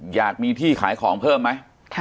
อยากมีที่ขายของเพิ่มไหม